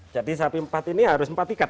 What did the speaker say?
jadi sapi empat ini harus empat ikat